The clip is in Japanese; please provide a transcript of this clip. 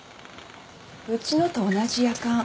うちのと同じやかん。